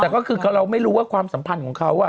แต่คือเราไม่รู้ว่าความสัมภัณฑ์ของเขาอ่ะ